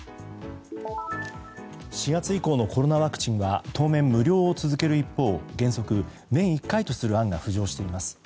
４月以降のコロナワクチンは当面、無料を続ける一方原則年１回とする案が浮上しています。